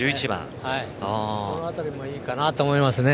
この辺りもいいかなと思いますね。